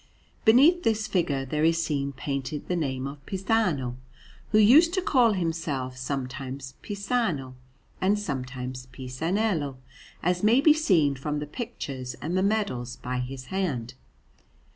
Beneath this figure there is seen painted the name of Pisano, who used to call himself sometimes Pisano, and sometimes Pisanello, as may be seen from the pictures and the medals by his hand.